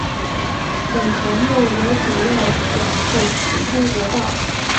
本条目也主要讲述普通国道。